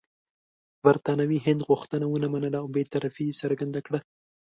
برټانوي هند غوښتنه ونه منله او بې طرفي یې څرګنده کړه.